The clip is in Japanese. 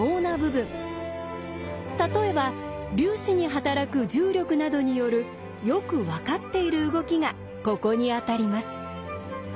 例えば粒子に働く重力などによるよく分かっている動きがここに当たります。